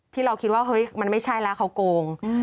ที่เราคิดว่าเฮ้ยมันไม่ใช่แล้วเขาโกง